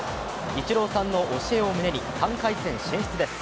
イチローさんの教えを胸に３回戦進出です。